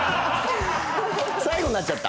最後になっちゃった。